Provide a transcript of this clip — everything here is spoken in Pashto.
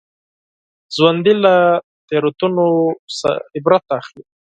ژوندي له تېروتنو نه عبرت اخلي